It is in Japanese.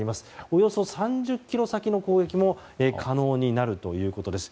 およそ３０ｋｍ先の攻撃も可能になるということです。